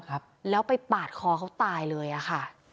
ครับแล้วไปปาดคอเขาตายเลยอ่ะค่ะ